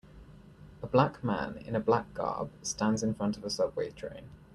A black man in a black garb stands in front of a subway train.